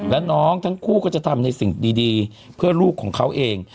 และน้องทั้งคู่ก็จะทำในสิ่งดีเพื่อลูกของเขาเอง